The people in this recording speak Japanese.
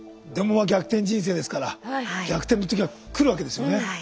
でも「逆転人生」ですから逆転の時は来るわけですよね。